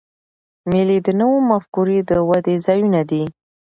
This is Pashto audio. مېلې د نوو مفکورې د ودي ځایونه دي.